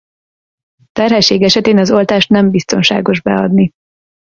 Terhesség esetén az oltást nem biztonságos beadni.